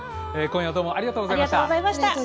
今夜はどうもありがとうございました。